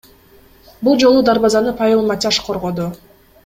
Бул жолу дарбазаны Павел Матяш коргоду.